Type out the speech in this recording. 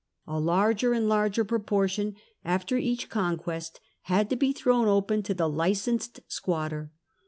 A larger and larger proportion after each conquest had to be thrown open to the licensed squatter.